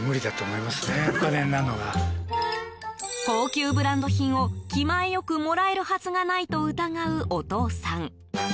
高級ブランド品を気前良くもらえるはずがないと疑うお父さん。